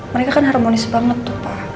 mereka kan harmonis banget tuh pak